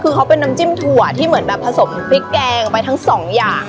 คือเขาเป็นน้ำจิ้มถั่วที่เหมือนแบบผสมพริกแกงไปทั้งสองอย่าง